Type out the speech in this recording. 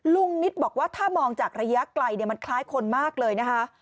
นิตบอกว่าถ้ามองจากระยะไกลมันคล้ายคนมากเลยนะคะ